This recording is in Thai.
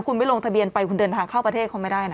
คุณไม่ลงทะเบียนไปคุณเดินทางเข้าประเทศเขาไม่ได้นะ